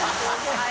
「はい」